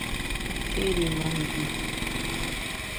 ¿A tjiri nangui?